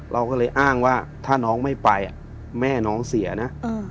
เราก็เลยอ้างว่าถ้าน้องไม่ไปแม่น้องเสียนะ